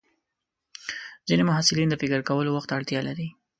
ځینې محصلین د فکر کولو وخت ته اړتیا لري.